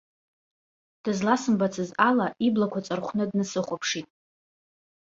Дызласымбаӡацыз ала, иблақәа ҵархәны днасыхәаԥшит.